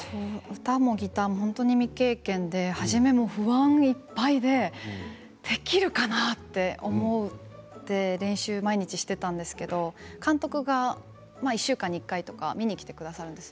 歌もギターも本当に未経験で初めは不安いっぱいでできるかなって思って毎日練習していたんですけれど監督が１週間に１回とか見にきてくださるんです。